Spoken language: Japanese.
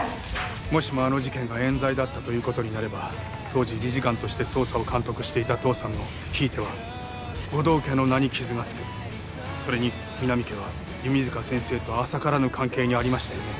もしもあの事件が冤罪だったということになれば当時理事官として捜査を監督していた父さんのひいては護道家の名に傷がつくそれに皆実家は弓塚先生と浅からぬ関係にありましたよね